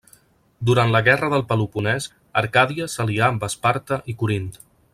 Durant la Guerra del Peloponés, Arcàdia s'alià amb Esparta i Corint.